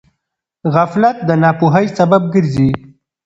غفلت د ناپوهۍ سبب ګرځي.